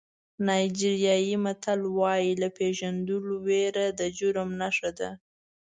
نایجیریایي متل وایي له پېژندلو وېره د جرم نښه ده.